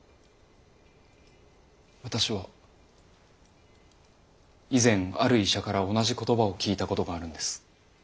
私は以前ある医者から同じ言葉を聞いたことがあるんです。